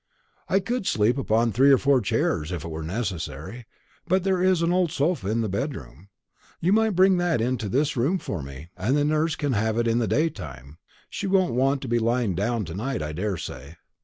"I could sleep upon three or four chairs, if it were necessary; but there is an old sofa in the bedroom. You might bring that into this room for me; and the nurse can have it in the day time. She won't want to be lying down to night, I daresay.